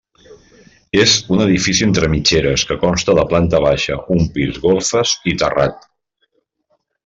És un edifici entre mitgeres que consta de planta baixa, un pis, golfes i terrat.